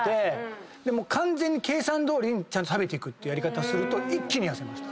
完全に計算どおりにちゃんと食べていくってやり方すると一気に痩せました。